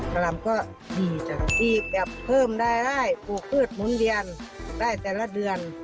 กะล่ำก็ดีจังดีแบบเพิ่มได้ได้ปลูกอืดมุนเวียนได้แต่ละเดือน